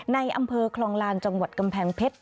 ในอำเภอคลองลานจังหวัดกำแพงเพชร